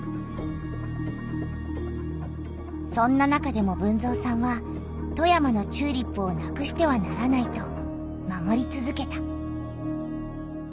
そんな中でも豊造さんは富山のチューリップをなくしてはならないと守りつづけた。